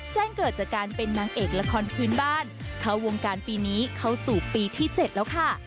แจ้งเกิดจากการเป็นนางเอกละครพื้นบ้านเข้าวงการปีนี้เข้าสู่ปีที่๗แล้วค่ะ